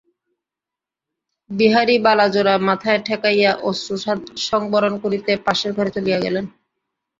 বিহারী বালাজোড়া মাথায় ঠেকাইয়া অশ্রু সংবরণ করিতে পাশের ঘরে চলিয়া গেল।